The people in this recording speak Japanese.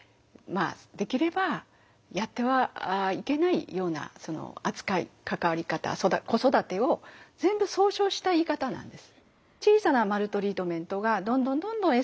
できればやってはいけないような扱い関わり方子育てを全部総称した言い方なんです。